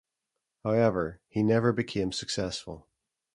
However, he never became successful.